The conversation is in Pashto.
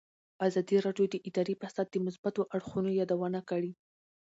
ازادي راډیو د اداري فساد د مثبتو اړخونو یادونه کړې.